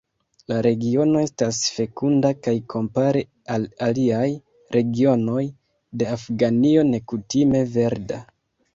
La regiono estas fekunda kaj kompare al aliaj regionoj de Afganio nekutime verda.